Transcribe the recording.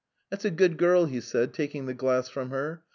That's a good girl," he said, taking the glass from her.